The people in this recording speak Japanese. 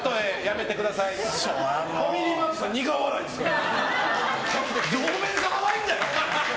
ファミリーマートさん苦笑いですから。